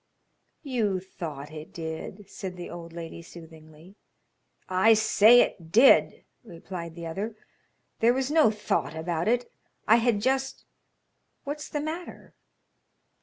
"You thought it did," said the old lady soothingly. "I say it did," replied the other. "There was no thought about it; I had just What's the matter?"